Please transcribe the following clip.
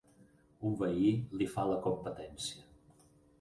Un veí li fa la competència.